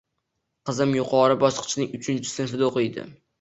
Qizim yuqori bosqichning uchinchi sinfida o`qiydi